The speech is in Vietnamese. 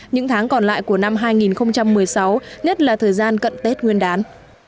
những tháng còn lại của năm hai nghìn một mươi sáu nhất là thời gian cận tết nguyên đán